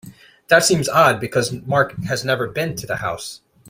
That seems odd because Mark has never been to the house.